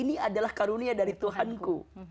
ini adalah karunia dari tuhanku